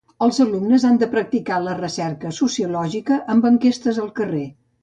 Els alumnes han de practicar la recerca sociològica amb enquestes al carrer.